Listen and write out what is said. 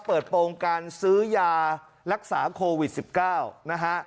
โปรงการซื้อยารักษาโควิด๑๙นะฮะ